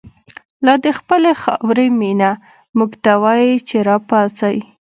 لادخپلی خاوری مینه، موږ ته وایی چه راپاڅئ